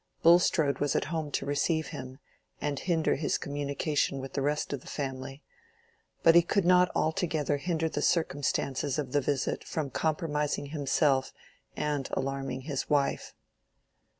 Bulstrode was at home to receive him, and hinder his communication with the rest of the family, but he could not altogether hinder the circumstances of the visit from compromising himself and alarming his wife.